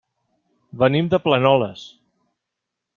Venim de Planoles.